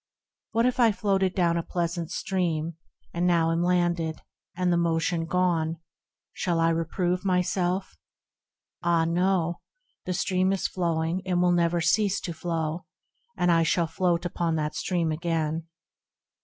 — What if I floated down a pleasant stream, And now am landed, and the motion gone, Shall I reprove myself? Ah no, the stream Is flowing, and will never cease to flow, And I shall float upon that stream again.